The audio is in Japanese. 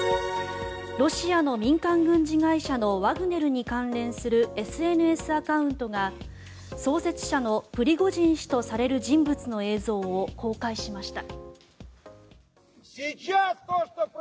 ロシアの民間軍事会社ワグネルに関連するＳＮＳアカウントが創設者のプリゴジン氏とされる人物の映像を公開しました。